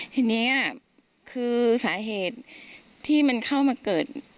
ทีนี้คือสาเหตุที่มันเข้ามาเกิด